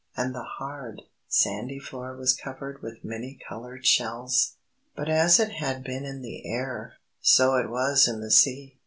And the hard, sandy floor was covered with many coloured shells. But as it had been in the Air, so it was in the Sea!